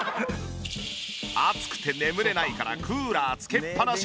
暑くて眠れないからクーラーつけっぱなし。